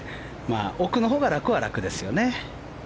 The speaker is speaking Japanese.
奥のほうが楽は楽ですよね。